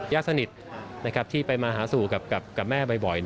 ญาติสนิทที่ไปมาหาสู่กับแม่บ่อย